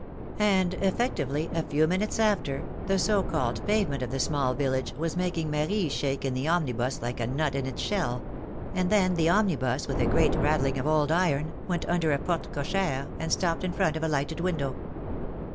^^ And, effectively, a few minutes after, the so called pave ment of the small village was making Marie shake in the omnibus like a nut in its shell; and then the omnibus, with a great rattling of old iron, went under a porte cocli^re, and stopped in front of a lighted window.